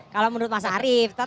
kalau menurut mas arief